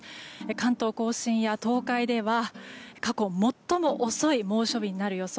関東・甲信や東海では過去最も遅い猛暑日になる予想。